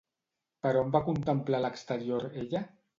Per on va contemplar l'exterior ella?